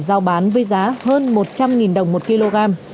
giao bán với giá hơn một trăm linh đồng một kg